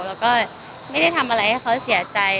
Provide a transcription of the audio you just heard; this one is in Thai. แล้วก็ไม่ได้ทำอะไรให้เขาเสียใจ